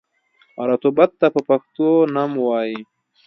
رطوبت ته په پښتو نم وايي.